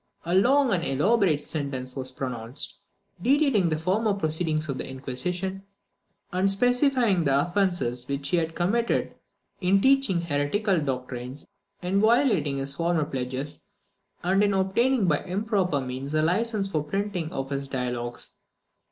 A long and elaborate sentence was pronounced, detailing the former proceedings of the Inquisition, and specifying the offences which he had committed in teaching heretical doctrines, in violating his former pledges, and in obtaining by improper means a license for the printing of his Dialogues.